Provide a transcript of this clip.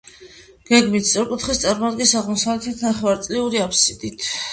გეგმით სწორკუთხედს წარმოადგენს, აღმოსავლეთით ნახევარწრიული აბსიდით.